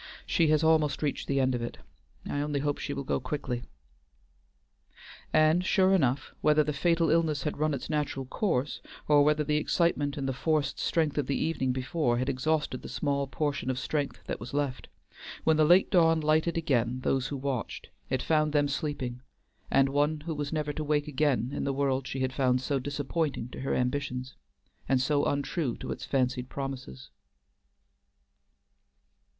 She has almost reached the end of it. I only hope that she will go quickly." And sure enough; whether the fatal illness had run its natural course, or whether the excitement and the forced strength of the evening before had exhausted the small portion of strength that was left, when the late dawn lighted again those who watched, it found them sleeping, and one was never to wake again in the world she had found so disappointing to her ambitions, and so untrue to its fancied promises.